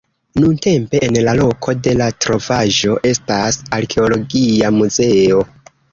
Nuntempe en la loko de la trovaĵo estas arkeologia muzeo.